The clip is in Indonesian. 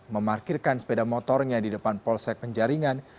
memarkirkan sepeda motornya di depan polsek penjaringan